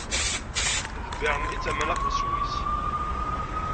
D Bern i d tamanaɣt n Sswis.